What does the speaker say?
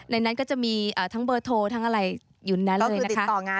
ในนั้นก็จะมีทั้งเบอร์โทรทั้งอะไรอยู่ในนั้นเลยนะคะ